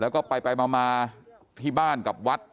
แล้วก็ไปมาที่บ้านกับวัด